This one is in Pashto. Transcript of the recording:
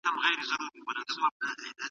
په خندا کي یې و زوی ته و ویله